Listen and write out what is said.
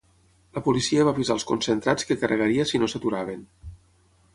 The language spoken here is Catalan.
La policia va avisar als concentrats que carregaria si no s’aturaven.